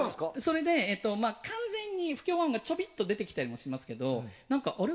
不協和音がちょびっと出てきたりもしますけどあれ？